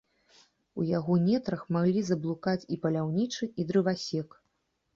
У яго нетрах маглі заблукаць і паляўнічы, і дрывасек.